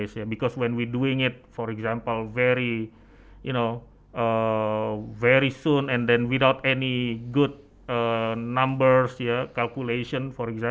jadi ketika kita bicara tentang ini tentu saja saya cukup optimis